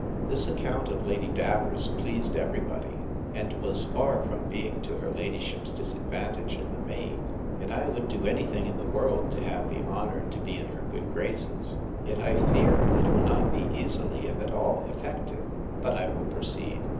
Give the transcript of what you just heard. This account of Lady Davers pleased every body, and was far from being to her ladyship's disadvantage in the main; and I would do any thing in the world to have the honour to be in her good graces: Yet I fear it will not be easily, if at all, effected. But I will proceed.